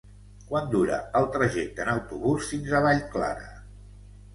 Quant dura el trajecte en autobús fins a Vallclara?